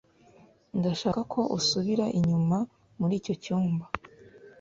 Ndashaka ko usubira inyuma muri icyo cyumba